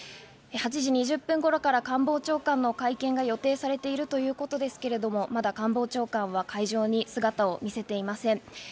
８時２０分頃から官房長官の会見が予定されているということですけれども、まだ官房長官は会場に姿を見せていません。